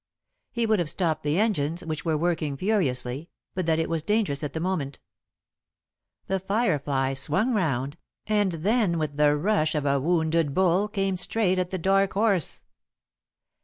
He would have stopped the engines, which were working furiously, but that it was dangerous at the moment. The Firefly swung round, and then with the rush of a wounded bull came straight at The Dark Horse.